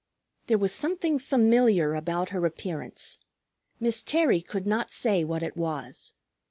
There was something familiar about her appearance, Miss Terry could not say what it was.